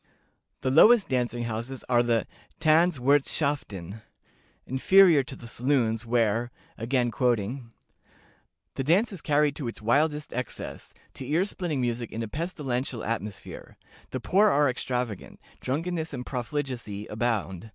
The lowest dancing houses are the Tanz wirthschaften, inferior to the saloons, where (again quoting) "The dance is carried to its wildest excess, to ear splitting music in a pestilential atmosphere. The poor are extravagant; drunkenness and profligacy abound.